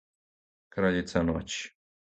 краљица ноћи